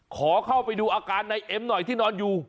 ขอเข้าไปดูอาการในเอ็มหน่อยที่นอนอยู่